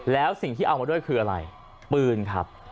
แล้วสิ่งที่เอามาด้วยคืออะไรปืนครับ